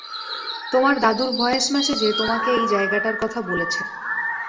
তোমার দাদুর ভয়েস মেসেজে তোমাকে এই জায়গাটার কথা বলছে।